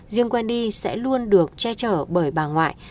riêng wendy sẽ luôn được che chở bởi bà ngoại